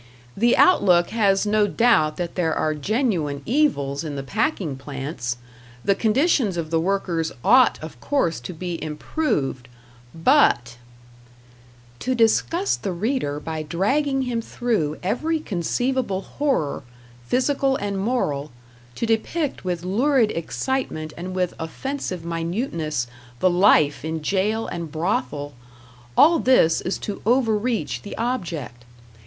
The "Outlook" has no doubt that there are genuine evils in the packing plants; the conditions of the workers ought of course to be improved; BUT To disgust the reader by dragging him through every conceivable horror, physical and moral, to depict with lurid excitement and with offensive minuteness the life in jail and brothel all this is to overreach the object....